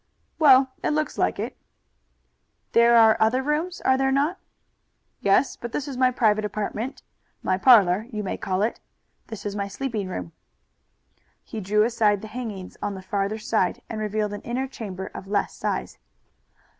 "Well, it looks like it." "There are other rooms, are there not?" "Yes, but this is my private apartment; my parlor, you may call it. This is my sleeping room." He drew aside the hangings on the farther side and revealed an inner chamber of less size.